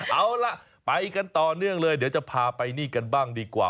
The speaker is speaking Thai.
เอาล่ะไปกันต่อเนื่องเลยเดี๋ยวจะพาไปนี่กันบ้างดีกว่า